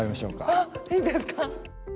あっいいんですか？